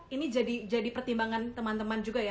ini jadi pertimbangan teman teman juga ya